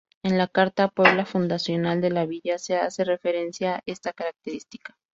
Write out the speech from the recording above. En la carta puebla fundacional de la villa se hace referencia a esta característica.